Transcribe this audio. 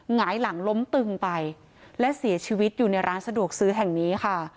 หงายหลังล้มตึงไปและเสียชีวิตอยู่ในร้านสะดวกซื้อแห่งนี้ค่ะ